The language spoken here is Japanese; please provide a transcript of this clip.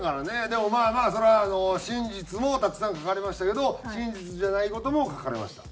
でもまあまあそりゃ真実もたくさん書かれましたけど真実じゃない事も書かれました。